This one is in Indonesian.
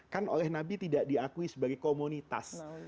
kan oleh nabi tidak diakui sebagai komunitas